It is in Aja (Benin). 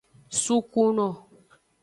Sukuno.